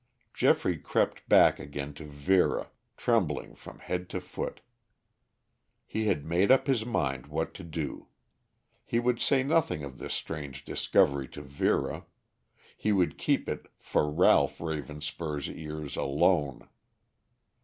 Geoffrey crept back again to Vera, trembling from head to foot. He had made up his mind what to do. He would say nothing of this strange discovery to Vera; he would keep it for Ralph Ravenspur's ears alone.